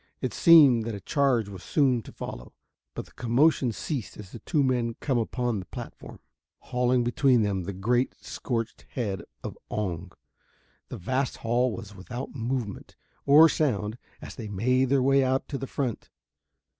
It seemed that a charge was soon to follow, but the commotion ceased as the two men come upon the platform, hauling between them the great scorched head of "Oong." The vast hall was without movement or sound as they made their way out to the front.